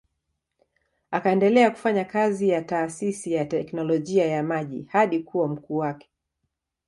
Akaendelea kufanya kazi ya taasisi ya teknolojia ya maji hadi kuwa mkuu wake.